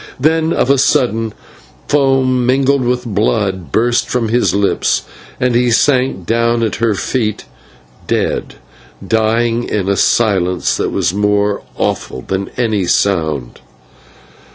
Then, of a sudden, foam mingled with blood burst from his lips, and he sank down at her feet dead, dying in a silence that was more awful than any sound.